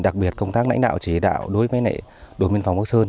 đặc biệt công tác lãnh đạo chỉ đạo đối với đồn biên phòng bắc sơn